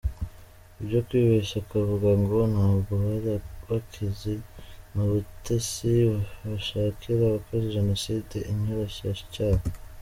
Ibyo kwibeshya ukavuga ngo ntabwo bari bakizi ni ubutesi bushakira abakoze jenoside inyoroshyacyaha.